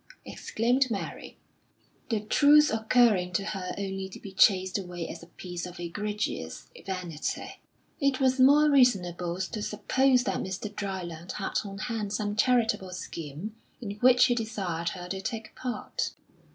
exclaimed Mary, the truth occurring to her only to be chased away as a piece of egregious vanity. It was more reasonable to suppose that Mr. Dryland had on hand some charitable scheme in which he desired her to take part.